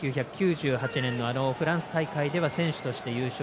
１９９８年のあのフランス大会では選手として優勝。